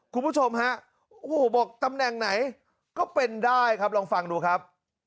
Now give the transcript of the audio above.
คุณผู้ชมฮะโอ้โหบอกตำแหน่งไหนก็เป็นได้ครับลองฟังดูครับ